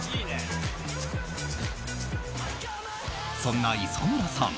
そんな磯村さん